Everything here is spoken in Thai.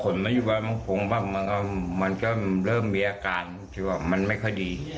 มาอยู่บ้านบางกงบ้างมันก็เริ่มมีอาการที่ว่ามันไม่ค่อยดี